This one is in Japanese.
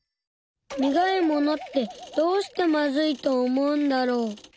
苦いものってどうしてまずいと思うんだろう。